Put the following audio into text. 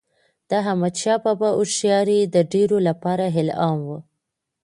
د احمدشاه بابا هوښیاري د ډیرو لپاره الهام و.